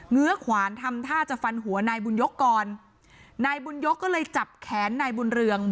ื้อขวานทำท่าจะฟันหัวนายบุญยกก่อนนายบุญยกก็เลยจับแขนนายบุญเรือง